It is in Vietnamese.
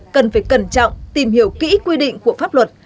cần phải cẩn trọng tìm hiểu kỹ quy định của pháp luật